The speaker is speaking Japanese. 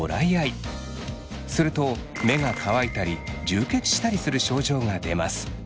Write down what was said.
すると目が乾いたり充血したりする症状が出ます。